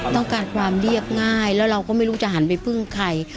ต้องการความเรียบง่ายแล้วเราก็ไม่รู้จะหันไปพึ่งใคร